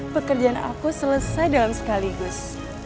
pekerjaan aku selesai dalam sekaligus